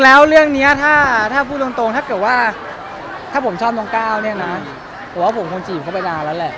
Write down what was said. แล้วเรื่องนี้ถ้าพูดตรงถ้าผมชอบน้องก้าวผมคงจีบเขาไปนานแล้วแหละ